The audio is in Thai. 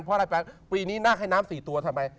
เพราะปีนี้นาคให้น้ำ๔ตัวทำไม